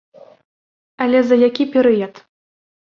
Але за які перыяд?